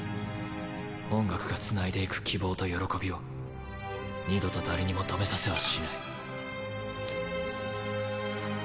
音楽がつないでいく希望と喜びを二度と誰にも止めさせはしない。